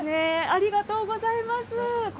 ありがとうございます。